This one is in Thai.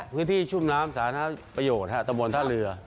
พื้นที่ชุมน้ำสาธารณะประโยชน์ธรรมท่าเหลือ